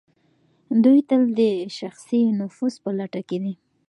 دوی تل د شخصي نفوذ په لټه کې دي.